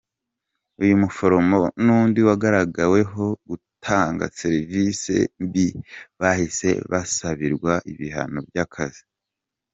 Uyu muforomo n’undi wagaragaweho gutanga serivise mbi bahise basabirwa ibihano by’akazi.